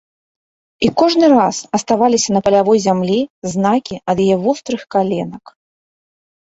І кожны раз аставаліся на палявой зямлі знакі ад яе вострых каленак.